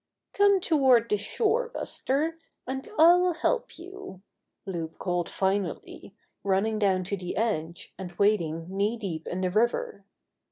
"Come toward the shore, Buster, and I'll help you," Loup called finally, running down to the edge, and wading knee deep in the river.